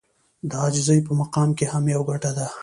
د عاجزي په مقام کې هم يوه ګټه ده.